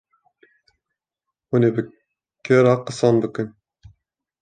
hûnê bi kê re qisan bikin.